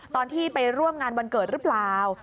ตอนที่ไปร่วมงานวันเกิดหรือเปล่า